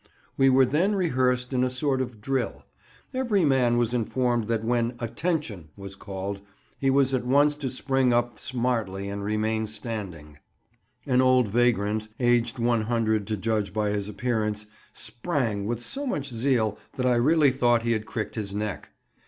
We were then rehearsed in a sort of drill: every man was informed that when "attention" was called he was at once to "spring" up smartly and remain standing—an old vagrant, aged 100 to judge by his appearance, "sprang" with so much zeal that I really thought he had cricked his neck.